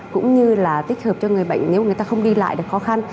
cũng như là tích hợp cho người bệnh nếu người ta không đi lại được khó khăn